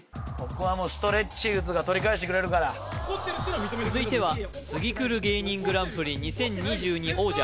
ここはもうストレッチーズがとり返してくれるから続いてはツギクル芸人グランプリ２０２２王者